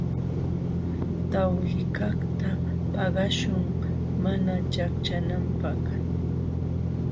Tawlikaqta paqaśhun mana ćhaqćhananpaq.